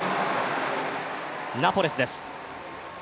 ナポレスです。